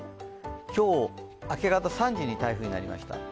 今日、明け方３時に台風になりました。